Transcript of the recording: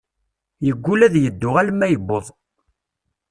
Yegull ad yeddu alma yuweḍ.